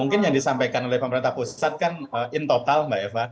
mungkin yang disampaikan oleh pemerintah pusat kan in total mbak eva